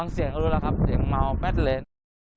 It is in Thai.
ฟังเสียงเขารู้แล้วครับเสียงเมาแป๊ดเลนส์